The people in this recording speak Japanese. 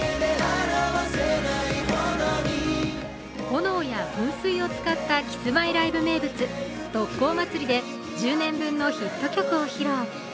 炎や噴水を使ったキスマイライブ名物、特効祭りで１０年分のヒット曲を披露。